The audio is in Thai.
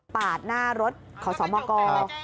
ปาดหน้ารถขอสอบมากกอล